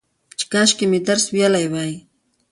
چې کاشکي مې درس ويلى وى